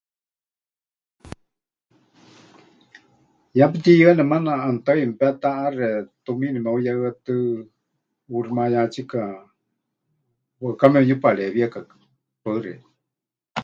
Ya pɨtiyɨane maana ʼanutaɨye mepetaʼaxe tumiini meheuyehɨatɨ́, ʼuuximayátsika, waɨká memɨyuparewiekakɨ. Paɨ xeikɨ́a.